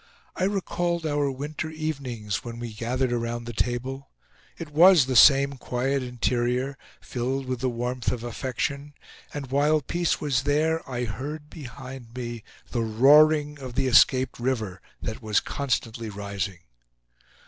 I recalled our winter evenings, when we gathered around the table. It was the same quiet interior, filled with the warmth of affection. And while peace was there I heard behind me the roaring of the escaped river, that was constantly rising.